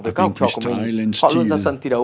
với các học trò của mình họ luôn ra sân thi đấu